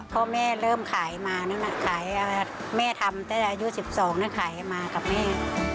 พ่อแม่เริ่มขายมาแม่ทำแต่อายุ๑๒แล้วขายมากับแม่